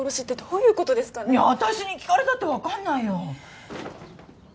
いや私に聞かれたってわかんないよ。